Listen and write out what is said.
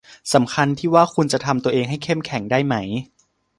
สำคัญที่ว่าคุณจะทำตัวเองให้เข้มแข็งได้ไหม